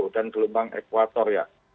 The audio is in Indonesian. dan gelombang ekuator ya